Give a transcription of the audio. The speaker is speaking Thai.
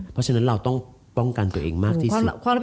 เพราะฉะนั้นเราต้องป้องกันตัวเองมากที่สุด